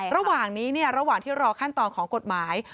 ระหว่างนี้ระหว่างที่รอขั้นตอนของกฎหมาย